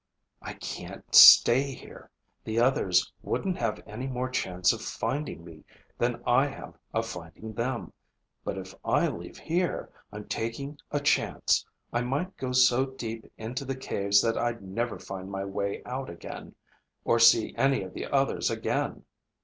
"I can't stay here. The others wouldn't have any more chance of finding me than I have of finding them. But if I leave here, I'm taking a chance. I might go so deep into the caves that I'd never find my way out again, or see any of the others again."